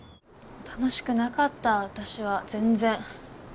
楽しくなかった私は全然。